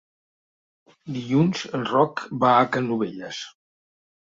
Dilluns en Roc va a Canovelles.